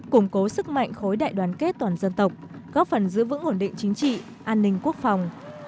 củng cố sức mạnh khối đại đoàn kết toàn dân tộc góp phần giữ vững ổn định chính trị an ninh quốc phòng